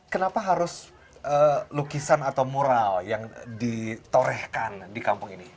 kenapa harus lukisan atau mural yang ditorehkan di kampung ini